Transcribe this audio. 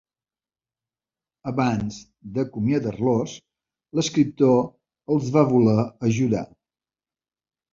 Abans d'acomiadar-los, l'escriptor els va voler ajudar.